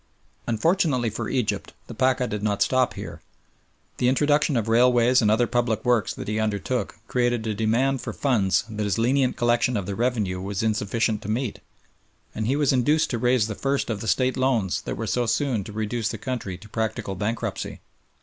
Unfortunately for Egypt, the Pacha did not stop here. The introduction of railways and other public works that he undertook created a demand for funds that his lenient collection of the revenue was insufficient to meet, and he was induced to raise the first of the State loans that were so soon to reduce the country to practical bankruptcy.